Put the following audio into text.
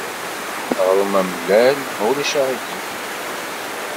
Aɣrum amellal, ma ulac aɣilif.